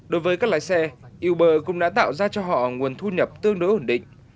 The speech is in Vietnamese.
đối với các lái xe uber cũng đã tạo ra cho họ nguồn thu nhập tương đối ổn định